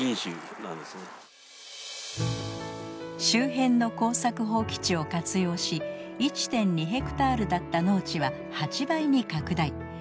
周辺の耕作放棄地を活用し１．２ヘクタールだった農地は８倍に拡大。